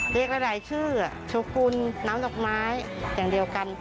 เลขหลายชื่อโชกุลน้ำดอกไม้อย่างเดียวกัน